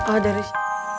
oh dari si